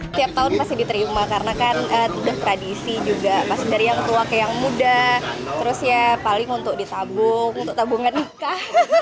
setiap tahun masih diterima karena kan udah tradisi juga dari yang tua ke yang muda terus ya paling untuk ditabung untuk tabungan nikah